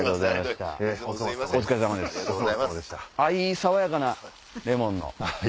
爽やかなレモンの。